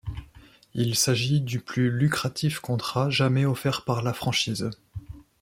Il s'agit du plus lucratif contrat jamais offert par la franchise.